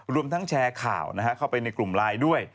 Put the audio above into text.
รวมทั้งแชร์ข่าวเข้าไปในกลุ่มไลน์ด้วย